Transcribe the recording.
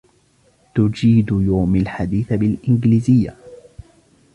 تجيد يومي الحديث بالإنجليزية.